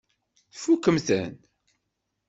Tfukkem-ten?